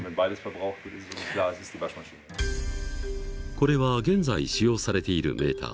これは現在使用されているメーター。